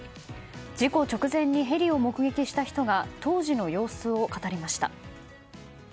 事故直前にヘリを目撃した人が当時の様子を語りました。